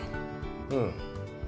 うん。